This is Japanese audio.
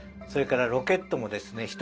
それからロケットもですね